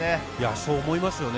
そう思いますね。